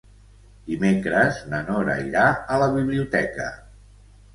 Dimecres na Nora irà a la biblioteca.